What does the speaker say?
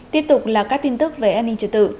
tiếp tục là các tin tức về an ninh trật tự